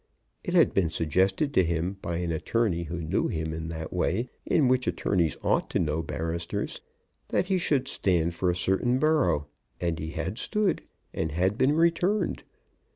It had been suggested to him by an attorney who knew him in that way in which attorneys ought to know barristers, that he should stand for a certain borough; and he had stood and had been returned.